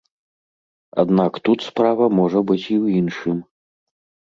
Аднак тут справа можа быць і ў іншым.